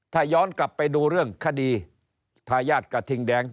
ถ้าย้อนกลับไปดูเรื่องคดีทายาทกระทิงแดง